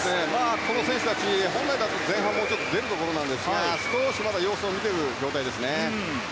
この選手たち本来だと前半もう少し出るんですが少し、まだ様子を見ている状態ですね。